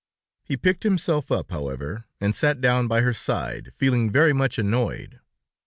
He picked himself up, however, and sat down by her side, feeling very much annoyed.